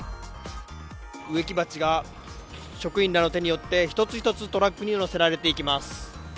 植木鉢が職員らの手によって一つ一つトラックに載せられていきます。